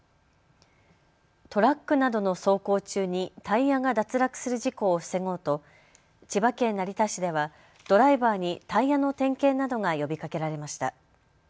トラックなどの走行中にタイヤが脱落する事故を防ごうと千葉県成田市ではドライバーにタイヤの点検などが呼びかけられました。